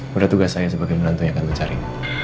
pada tugas saya sebagai menantu yang akan mencari